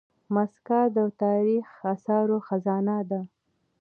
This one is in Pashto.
مځکه د تاریخي اثارو خزانه ده.